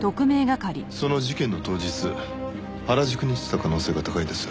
その事件の当日原宿に行ってた可能性が高いです。